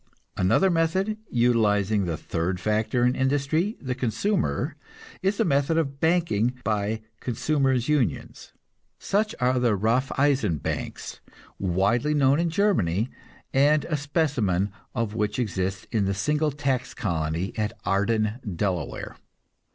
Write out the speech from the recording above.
Another method, utilizing the third factor in industry, the consumer, is the method of banking by consumers' unions. Such are the Raffeisen banks, widely known in Germany, and a specimen of which exists in the single tax colony at Arden, Delaware.